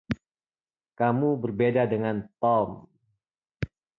Kamu berbeda dengan Tom.